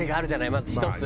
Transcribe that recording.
まず１つ。